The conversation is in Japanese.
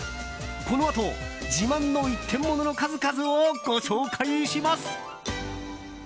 このあと、自慢の一点ものの数々をご紹介します。